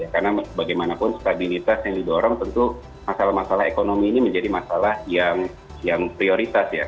karena bagaimanapun stabilitas yang didorong tentu masalah masalah ekonomi ini menjadi masalah yang prioritas ya